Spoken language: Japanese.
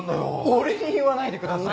俺に言わないでくださいよ！